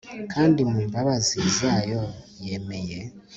kandi mu mbabazi zayo yemeye